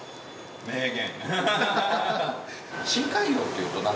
名言。